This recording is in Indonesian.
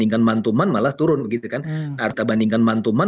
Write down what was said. kalau kita bandingkan mantuman